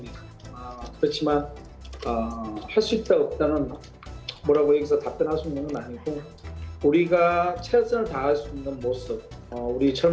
dan saya ingin memberi penampilan yang tidak akan membuat para pemain menyesal